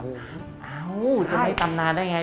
อ้าวจะเคยเปิดตำนานได้ไง